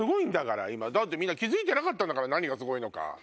みんな気付いてなかったんだから何がすごいのか。